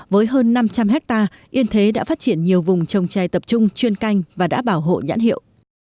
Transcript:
với hơn năm trăm linh hectare yên thế đã phát triển nhiều vùng trồng chai tập trung chuyên canh và đã bảo hộ nhãn hiệu